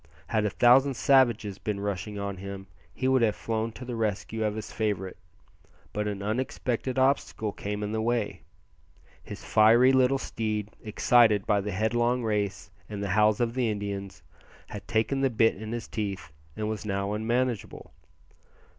Had a thousand savages been rushing on him he would have flown to the rescue of his favourite; but an unexpected obstacle came in the way. His fiery little steed, excited by the headlong race and the howls of the Indians, had taken the bit in his teeth and was now unmanageable.